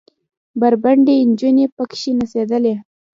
بربنډې نجونې پکښې نڅېدلې.